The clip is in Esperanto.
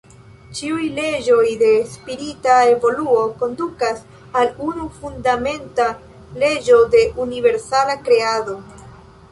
Ĉiuj leĝoj de spirita evoluo kondukas al unu fundamenta leĝo de universala kreado.